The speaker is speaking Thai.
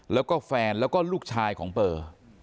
แล้วก็แฟนแล้วก็ลูกชายของเปอร์